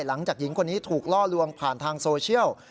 หลังจากหญิงคนนี้ถูกล่อลวงผ่านทางโซเชียล